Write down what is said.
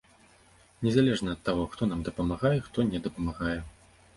Незалежна ад таго, хто нам дапамагае, хто не дапамагае.